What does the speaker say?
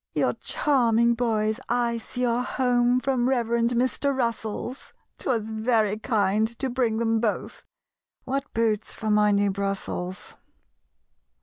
"Your charming boys I see are home From Reverend Mr. Russell's; 'Twas very kind to bring them both (What boots for my new Brussels!)